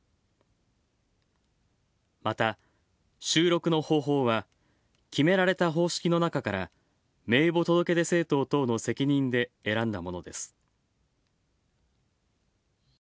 また、収録の方法は決められた方式の中から名簿届出政党等の責任で選んだものです。